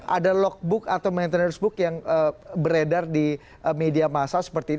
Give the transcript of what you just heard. ada logbook atau maintenance book yang beredar di media masa seperti itu